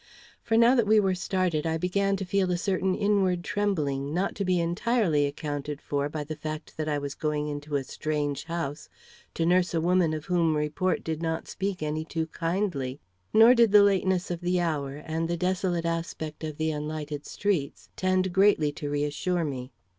For, now that we were started, I began to feel a certain inward trembling not to be entirely accounted for by the fact that I was going into a strange house to nurse a woman of whom report did not speak any too kindly. Nor did the lateness of the hour, and the desolate aspect of the unlighted streets, tend greatly to reassure me.